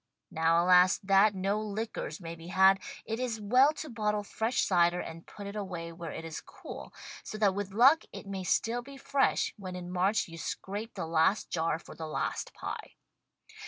Now, alas, that no liquors may be had, it is well to bottle fresh cider and put it away where it is cool, so that with luck it may stili be fresh when in March you scrape the last jar for the last pie.